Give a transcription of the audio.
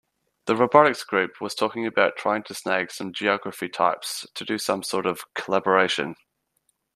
The robotics group was talking about trying to snag some geography types to do some sort of collaboration.